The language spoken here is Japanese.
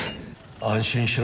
安心しろ。